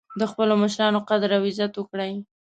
د خپلو مشرانو قدر او عزت وکړئ